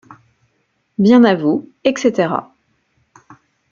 Bien à vous, etc….